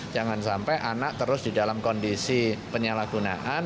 jangan sampai anak terus di dalam kondisi penyalahgunaan